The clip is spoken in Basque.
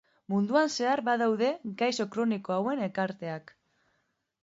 Munduan zehar badaude gaixo kroniko hauen elkarteak.